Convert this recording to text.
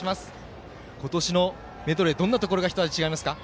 今年のメドレーはどんなところが一味違いますか？